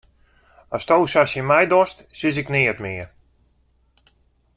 Asto sa tsjin my dochst, sis ik neat mear.